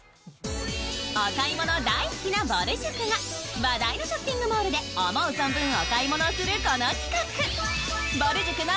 お買い物大好きなぼる塾が話題のショッピングモールで思う存分お買い物するこの企画。